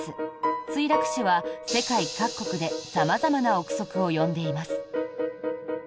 墜落死は、世界各国で様々な臆測を呼んでいます。